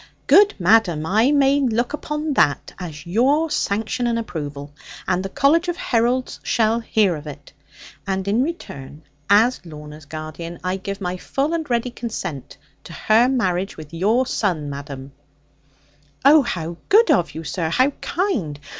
'Good, madam! I may look upon that as your sanction and approval: and the College of Heralds shall hear of it. And in return, as Lorna's guardian, I give my full and ready consent to her marriage with your son, madam.' 'Oh, how good of you, sir, how kind!